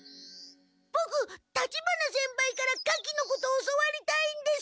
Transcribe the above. ボク立花先輩から火器のことを教わりたいんです。